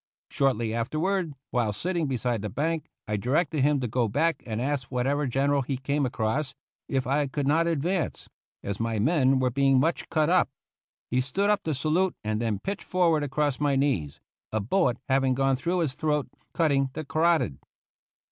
Shortly afterward, while sitting beside the bank, I directed him to go back and ask whatever gen eral he came across if I could not advance, as my men were being much cut up. He stood up to salute and then pitched forward across my knees, a bullet having gone through his throat, cutting the carotid.